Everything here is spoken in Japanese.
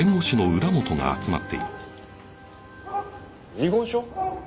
遺言書？